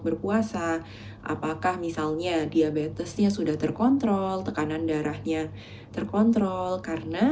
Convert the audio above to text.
berpuasa apakah misalnya diabetesnya sudah terkontrol tekanan darahnya terkontrol karena